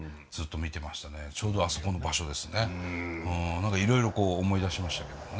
何かいろいろこう思い出しましたけどもね。